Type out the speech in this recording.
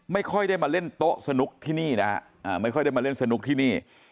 ไม่ค่อยได้มาเล่นโต๊ะสนุกที่นี่นะฮะไม่ค่อยได้มาเล่นสนุกที่นี่